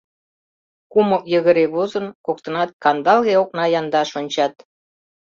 Кумык йыгыре возын, коктынат кандалге окна яндаш ончат.